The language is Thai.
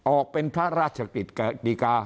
ออกเป็นพระราชกฤษฎิกา